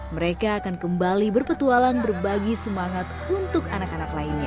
mereka akan kembali berpetualang berbagi semangat untuk anak anak lainnya